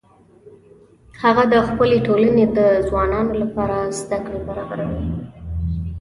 هغه د خپلې ټولنې د ځوانانو لپاره زده کړې برابروي